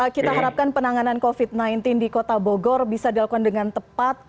kita harapkan penanganan covid sembilan belas di kota bogor bisa dilakukan dengan tepat